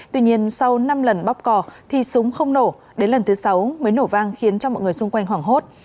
tuy nhiên sau năm lần bóp cò thì súng không nổ đến lần thứ sáu mới nổ vang khiến cho mọi người xung quanh hoảng hốt